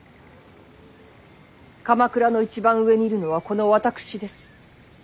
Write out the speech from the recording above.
鎌倉の一番上にいるのはこの私です。